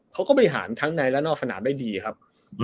เขาก็บริหารทั้งในและนอกสนามได้ดีครับ